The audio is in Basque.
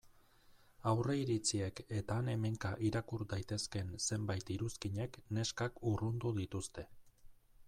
Aurreiritziek eta han-hemenka irakur daitezkeen zenbait iruzkinek neskak urrundu dituzte.